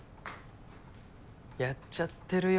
やっちゃってるよ